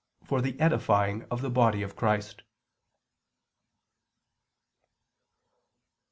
. for the edifying of the body of Christ."